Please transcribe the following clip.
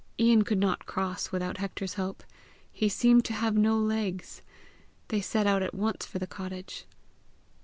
Ian could not cross without Hector's help; he seemed to have no legs. They set out at once for the cottage.